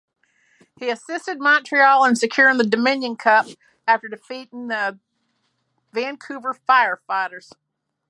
He assisted Montreal in securing the Dominion Cup after defeating the Vancouver Firefighters.